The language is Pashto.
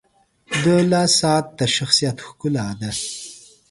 • د لاس ساعت د شخصیت ښکلا ده.